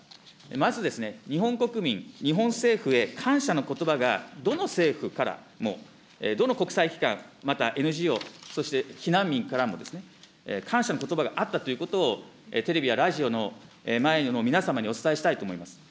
まず日本国民、日本政府へ感謝のことばがどの政府からも、どの国際機関、またＮＧＯ、そして、避難民からも感謝のことばがあったということを、テレビやラジオの前でも皆さんにお伝えしたいと思います。